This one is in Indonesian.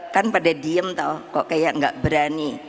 kan pada diem tau kok kayak nggak berani